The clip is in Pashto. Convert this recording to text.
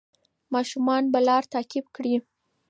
ماشومان به لار تعقیب کړي.